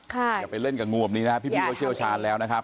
อย่าไปเล่นกับงูแบบนี้นะครับพี่เขาเชี่ยวชาญแล้วนะครับ